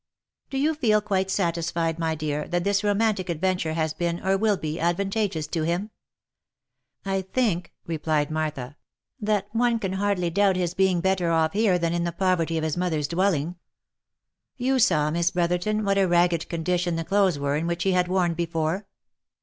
" Do you feel quite satisfied, my dear, that this romantic adventure has been, or will be, advantageous to him ?" "I think," replied Martha, "that one can hardly doubt his being better off here than in the poverty of his mother's dwelling. You saw, Miss Brotherton, what a ragged condition the clothes were in which he had worn before."